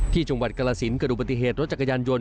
ที่จังหวัดกละศิลป์เกิดอุบัติเหตุรถจักรยานยนต์